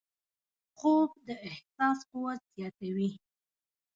خوب د احساس قوت زیاتوي